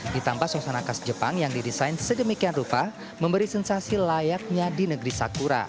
ditambah sosanakas jepang yang didesain segemiqian rupa memberi sensasi layaknya di negeri sakura